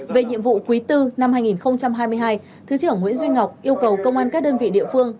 về nhiệm vụ quý bốn năm hai nghìn hai mươi hai thứ trưởng nguyễn duy ngọc yêu cầu công an các đơn vị địa phương